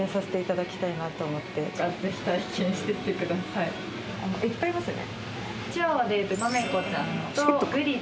いっぱいいますね。